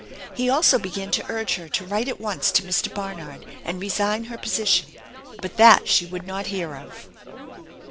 He also began to urge her to write at once to Mr. Barnard and resign her position, but that she would not hear of.